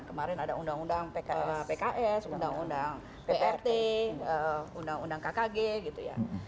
kemarin ada undang undang pks undang undang pprt undang undang kkg gitu ya